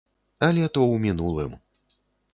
Але то ў мінулым.